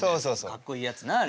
かっこいいやつなあれ。